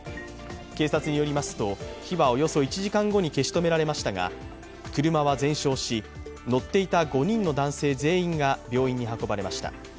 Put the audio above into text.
警察によりますと火はおよそ１時間後に消し止められましたが車は全焼し、乗っていた５人の男性全員が病院に運ばれました。